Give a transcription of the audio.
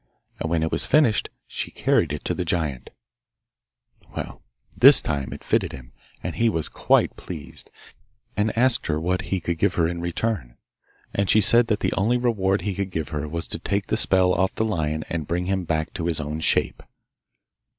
And when it was finished she carried it to the giant. This time it fitted him, and he was quite pleased, and asked her what he could give her in return. And she said that the only reward he could give her was to take the spell off the lion and bring him back to his own shape.